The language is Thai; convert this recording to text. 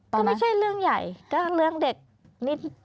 ก็ไม่ใช่เรื่องใหญ่ก็เรื่องเด็กนิด